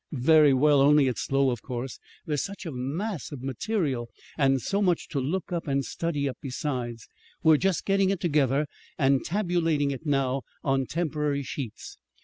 "Very well, only it's slow, of course. There is such a mass of material, and so much to look up and study up besides. We're just getting it together and tabulating it now on temporary sheets.